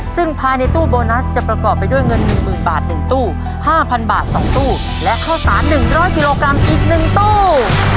ซึ่งภายในตู้โบนัสจะประกอบไปด้วยเงิน๑๐๐๐บาท๑ตู้๕๐๐บาท๒ตู้และข้าวสาร๑๐๐กิโลกรัมอีก๑ตู้